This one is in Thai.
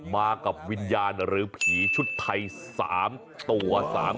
มากับวิญญาณหรือผีชุดไทย๓ตัว